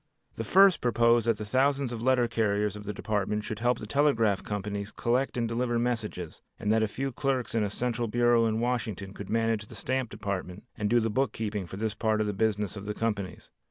The first proposed that the thousands of letter carriers of the Department should help the telegraph companies collect and deliver messages, and that a few clerks in a central bureau at Washington could manage the stamp department and do the book keeping for this part of the business of the companies.